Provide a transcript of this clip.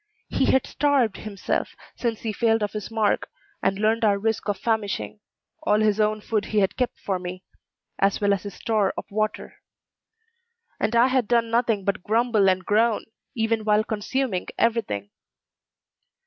He had starved himself; since he failed of his mark, and learned our risk of famishing, all his own food he had kept for me, as well as his store of water. And I had done nothing but grumble and groan, even while consuming every thing.